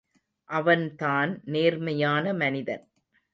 அவன்தான் நேர்மையான மனிதன்.